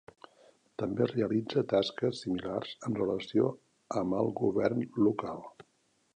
També realitza tasques similars en relació amb el govern local.